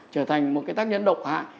trở thành một cái tác nhân độc hại